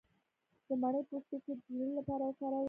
د مڼې پوستکی د زړه لپاره وکاروئ